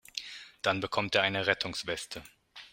Dann bekommt er eine Rettungsweste.